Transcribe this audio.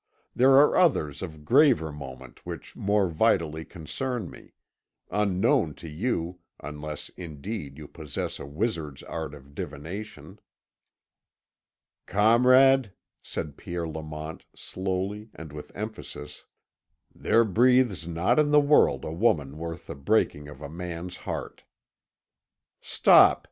There are others of graver moment which more vitally concern me unknown to you, unless, indeed, you possess a wizard's art of divination." "Comrade," said Pierre Lamont, slowly and with emphasis, "there breathes not in the world a woman worth the breaking of a man's heart." "Stop!"